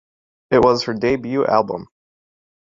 It was her debut album.